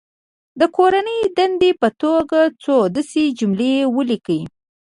د کورنۍ دندې په توګه څو داسې جملې ولیکي.